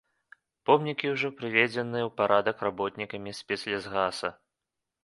Помнікі ўжо прыведзеныя ў парадак работнікамі спецлясгаса.